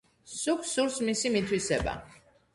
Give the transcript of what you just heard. სუკს სურს მისი მითვისება.